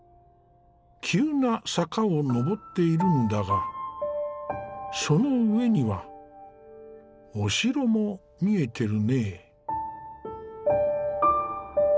急な坂を上っているんだがその上にはお城も見えてるね。